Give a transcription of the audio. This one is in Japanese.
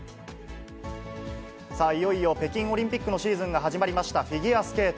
さあいよいよ、北京オリンピックのシーズンが始まりましたフィギュアスケート。